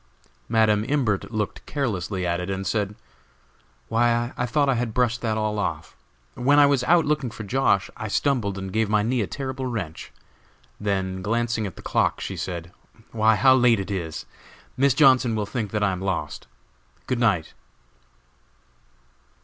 Madam Imbert looked carelessly at it, and said: "Why, I thought I had brushed that all off! When I was out looking for Josh. I stumbled and gave my knee a terrible wrench." Then glancing at the clock, she said: "Why, how late it is! Miss Johnson will think that I am lost. Good night!"